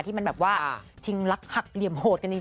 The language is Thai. ที่มันแบบว่าชิงลักหักเหลี่ยมโหดกันจริง